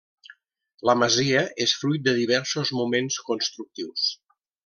La masia és fruit de diversos moments constructius.